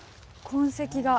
痕跡が。